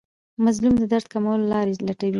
مظلوم د درد کمولو لارې لټوي.